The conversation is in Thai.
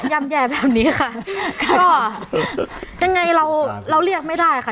แย่แบบนี้ค่ะก็ยังไงเราเราเรียกไม่ได้ค่ะ